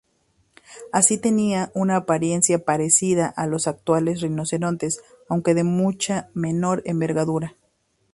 Así, tenían una apariencia parecida a los actuales rinocerontes, aunque de mucha menor envergadura.